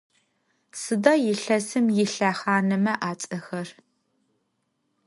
Sıda yilhesım yilhexhaneme ats'exer?